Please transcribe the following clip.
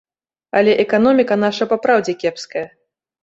Але эканоміка наша папраўдзе кепская.